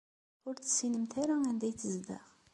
Ur tessinemt ara anda ay tezdeɣ?